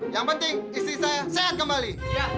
yang penting istri saya sehat kembali